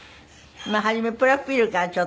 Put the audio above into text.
初めプロフィルからちょっと。